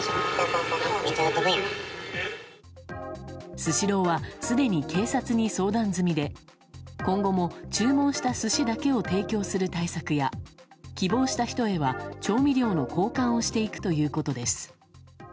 スシローはすでに警察に相談済みで今後も、注文した寿司だけを提供する対策や希望した人へは、調味料の交換をしていくということです。